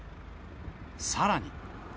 さらに。